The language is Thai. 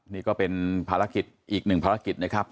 นี่ก็เป็นภารกิจอีกหนึ่งภารกิจนะครับ